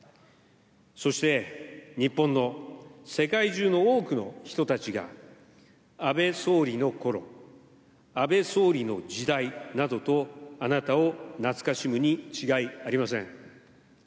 そして、日本の、世界中の多くの人たちが、安倍総理のころ、安倍総理の時代などとあなたを懐かしむに違いありません。